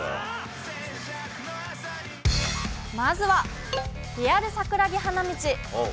まずはリアル桜木花道。